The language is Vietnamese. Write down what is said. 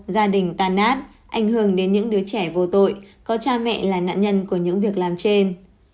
gia đình tan nát ảnh hưởng đến những đứa trẻ vô tội có cha mẹ là nạn nhân của những việc làm trên